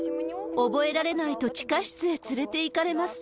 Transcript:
覚えられないと、地下室へ連れていかれます。